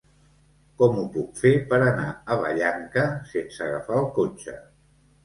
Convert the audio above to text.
Com ho puc fer per anar a Vallanca sense agafar el cotxe?